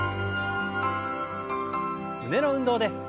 胸の運動です。